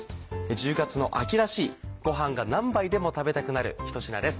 １０月の秋らしいご飯が何杯でも食べたくなる一品です。